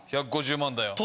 １５０万だよ。